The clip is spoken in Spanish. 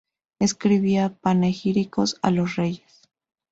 Escribía panegíricos a los reyes.